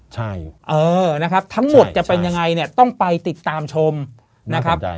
ใช่เออนะครับทั้งหมดจะเป็นยังไงเนี่ยต้องไปติดตามชมนะครับ